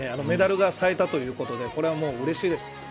メダルが最多ということでこれはうれしいです。